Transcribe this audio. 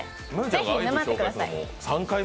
ぜひ沼ってください。